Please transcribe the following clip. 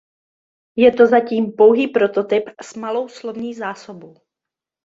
Je to zatím pouhý prototyp s malou slovní zásobou.